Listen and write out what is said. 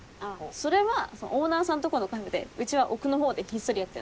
それはオーナーさんとこのカフェでうちは奥の方でひっそりやってんの。